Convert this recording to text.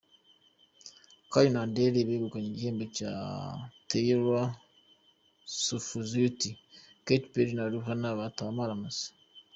Keli na Adele bagukanye ibihembo Teyira Suzifuti, Keti Peri na Rihana bataha amaramasa